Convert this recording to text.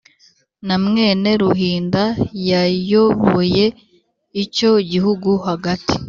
na mwene ruhinda, yayoboye icyo gihugu hagati